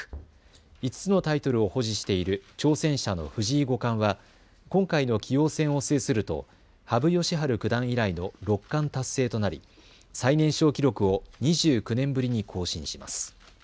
５つのタイトルを保持している挑戦者の藤井五冠は今回の棋王戦を制すると羽生善治九段以来の六冠達成となり最年少記録を２９年ぶりに更新します。